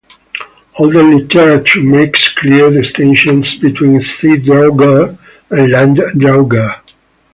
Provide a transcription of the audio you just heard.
Older literature makes clear distinctions between sea-draugar and land-draugar.